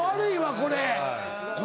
これ？